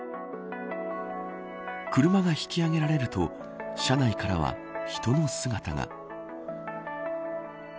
車が引き揚げられると車内からは、人の姿が。